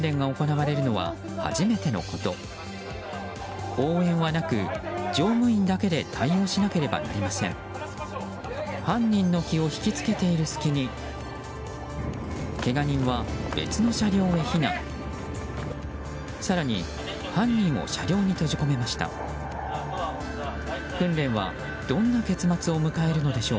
更に、犯人を車両に閉じ込めました。